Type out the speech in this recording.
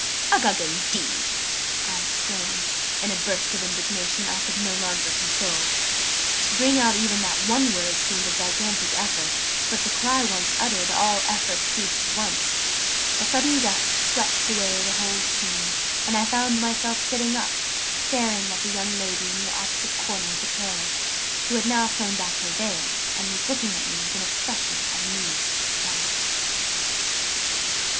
"Uggug, indeed!" I exclaimed, in a burst of indignation I could no longer control. To bring out even that one word seemed a gigantic effort: but, the cry once uttered, all effort ceased at once: a sudden gust swept away the whole scene, and I found myself sitting up, staring at the young lady in the opposite corner of the carriage, who had now thrown back her veil, and was looking at me with an expression of amused surprise.